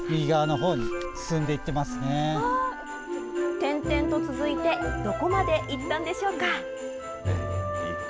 点々と続いて、どこまで行ったんでしょうか。